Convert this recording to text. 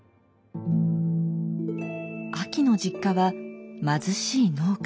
あきの実家は貧しい農家。